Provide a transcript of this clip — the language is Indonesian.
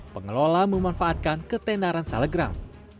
pengelola memanfaatkan ketenaran salegram